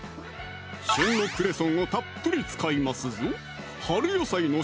旬のクレソンをたっぷり使いますぞ